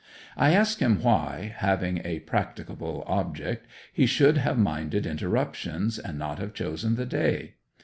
I ask him why, having a practicable object, he should have minded interruptions and not have chosen the day?